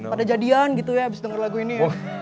pada jadian gitu ya abis denger lagu ini